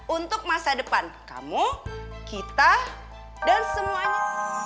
untuk masa depan kamu kita dan semuanya